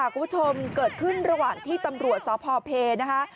คุณผู้ชมเกิดขึ้นระหว่างที่ตำรวจสพเพนะคะ